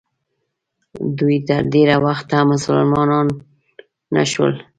دوی تر ډېره وخته مسلمانان نه شول.